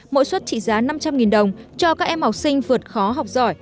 mỗi suất trị giá năm trăm linh đồng cho các em học sinh vượt khó học giỏi